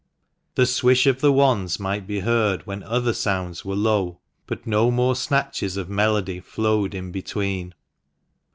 The swish of the wands might be heard when other sounds were low, but no more snatches of melody flowed in between.